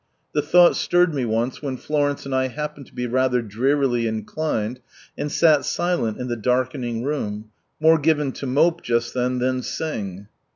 The thought stirred me once when Florence and I happened be rather drearily inclined, and sat silent in the darkening room, more given to mope just then than sing.